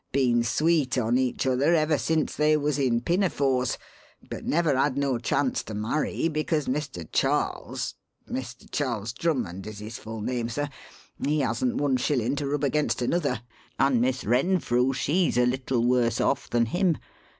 Been sweet on each other ever since they was in pinafores; but never had no chance to marry because Mr. Charles Mr. Charles Drummond is his full name, sir he hasn't one shillin' to rub against another, and Miss Renfrew she's a little worse off than him.